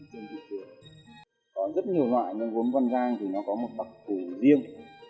có rất nhiều loại nông vốn văn răng thì nó có một tập tù riêng